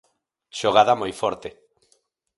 Xogada moi forte.